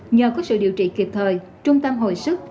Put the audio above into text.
nhờ có sự điều trị kịp thời trung tâm hồi sức